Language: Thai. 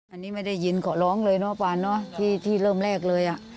อันนี้ไม่ได้ยินขอร้องเลยเนาะปานเนอะที่เริ่มแรกเลยอ่ะ